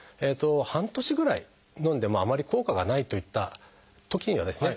半年ぐらいのんでもあまり効果がないといったときにはですね